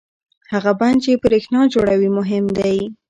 هغه بند چې برېښنا جوړوي مهم دی.